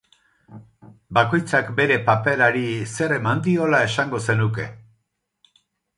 Bakoitzak bere paperari zer eman diola esango zenuke?